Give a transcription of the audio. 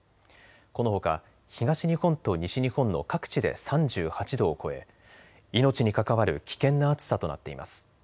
このほか東日本と西日本の各地で３８度を超え命に関わる危険な暑さとなっています。